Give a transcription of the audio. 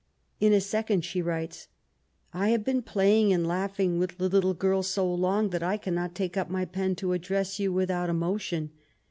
... In a second she writes :— I have been playing and laughing with the little girl so long, that I cannot take up my pen to address you without emotion.